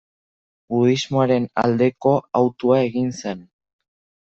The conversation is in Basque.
Budismoaren aldeko hautua egin zen.